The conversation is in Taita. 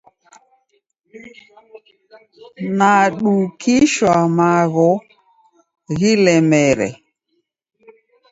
Nadukishwa magho ghilemere.